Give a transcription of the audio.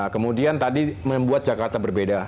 kemudian tadi membuat jakarta berbeda